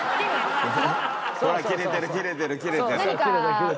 キレてるキレてるキレてる。